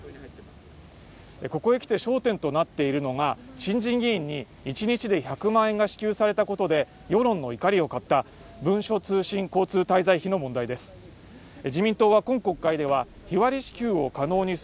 ここへ来て焦点となっているのが新人議員に１日で１００万円が支給されたことで世論の怒りを買った文書通信交通滞在費の問題です